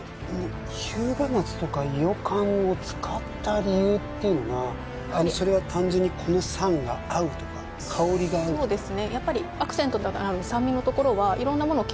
日向夏とかいよかんを使った理由っていうのがそれは単純にこの酸が合うとか香りが合うとかそうですね